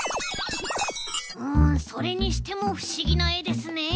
うんそれにしてもふしぎなえですねえ。